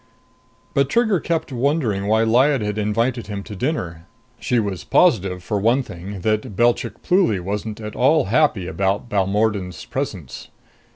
But Trigger kept wondering why Lyad had invited him to dinner. She was positive, for one thing, that Belchik Pluly wasn't at all happy about Balmordan's presence.